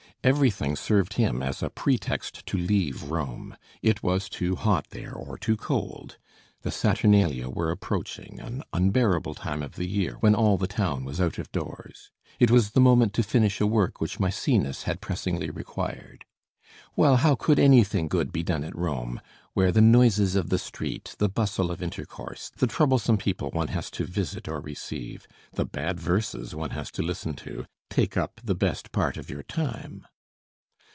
Everything served him as a pretext to leave Rome. It was too hot there, or too cold; the Saturnalia were approaching an unbearable time of the year, when all the town was out of doors; it was the moment to finish a work which Mæcenas had pressingly required. Well, how could anything good be done at Rome, where the noises of the street, the bustle of intercourse, the troublesome people one has to visit or receive, the bad verses one has to listen to, take up the best part of your time?